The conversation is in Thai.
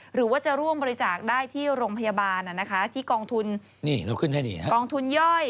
หรือว่าจะร่วมบริจาคได้ที่โรงพยาบาลที่กองทุนย่อย